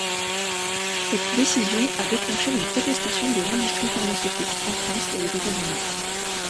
Cette décision a déclenché une protestation de l'industrie pharmaceutique en France et aux États-Unis.